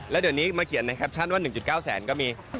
แล้วเดี๋ยวนี้มาเขียนในแคปชั่นว่า๑๙แสนก็มี